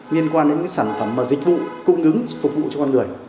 liên quan đến sản phẩm và dịch vụ cung ứng phục vụ cho con người